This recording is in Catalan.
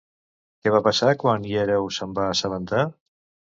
Què va passar quan Hirieu se'n va assabentar?